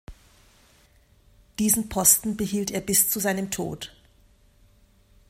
Diesen Posten behielt er bis zu seinem Tod.